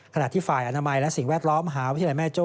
ขณะที่ฝ่ายอนามัยและสิ่งแวดล้อมมหาวิทยาลัยแม่โจ้